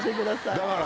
だから。